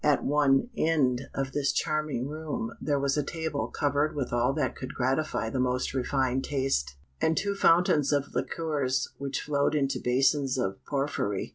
At one end of this charming room there was a table covered with all that could gratify the most refined taste, and two fountains of liqueurs which flowed into basins of porphyry.